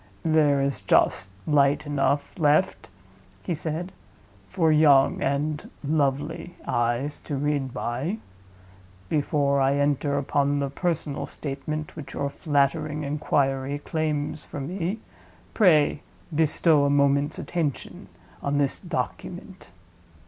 "There is just light enough left," he said, "for young (and lovely) eyes to read by. Before I enter upon the personal statement which your flattering inquiry claims from me, pray bestow a moment's attention on this Document."